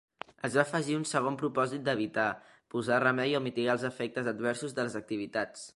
Es va afegir un segon propòsit d'evitar, posar remei o mitigar els efectes adversos de les activitats.